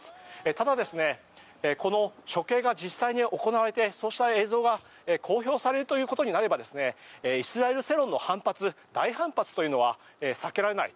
ただ、この処刑が実際に行われてそうした映像が公表されるということになればイスラエル世論の反発大反発というのは避けられない。